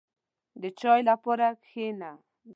• د چای لپاره کښېنه.